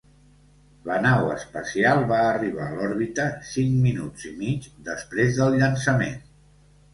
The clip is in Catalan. La nau espacial va arribar a l'òrbita cinc minuts i mig després del llançament.